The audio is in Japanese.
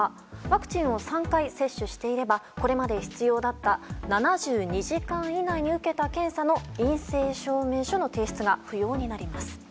ワクチンを３回接種していればこれまで必要だった７２時間以内に受けた検査の陰性証明書の提出が不要になります。